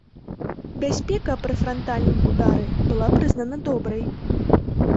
Бяспека пры франтальным удары была прызнана добрай.